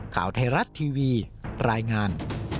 ข่าวไทยรัฐทีวีรายงาน